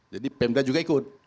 jadi pemda juga ikut